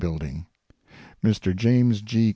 Building. Mr. James G.